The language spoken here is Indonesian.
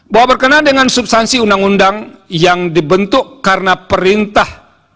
bahwa berkenaan dengan substansi undang undang yang dibentuk karena perintah